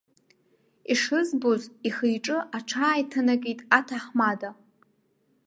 Ишызбоз ихи-иҿы аҽааиҭанакит аҭаҳмада.